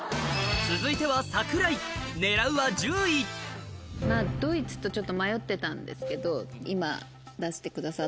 続いては桜井ドイツとちょっと迷ってたんですけど今出してくださったので。